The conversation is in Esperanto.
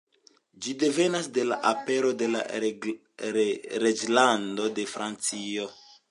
Ĝi devenas de la apero de la reĝlando de Francio.